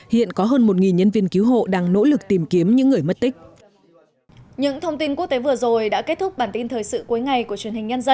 hiện có hơn một nhân viên cứu hộ đang nỗ lực tìm kiếm những người mất tích